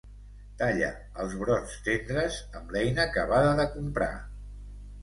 Talla els brots tendres amb l'eina acabada de comprar.